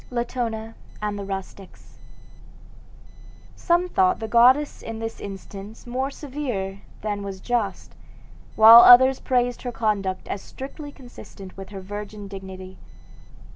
LATONA AND THE RUSTICS Some thought the goddess in this instance more severe than was just, while others praised her conduct as strictly consistent with her virgin dignity.